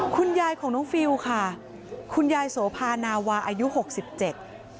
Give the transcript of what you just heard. คุณยายของน้องฟิลค่ะคุณยายโสภานาวาอายุหกสิบเจ็ด